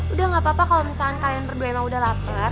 udah gak apa apa kalau misalkan kalian berdua emang udah lapar